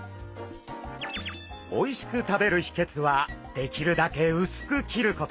おいしく食べるひけつはできるだけ薄く切ること。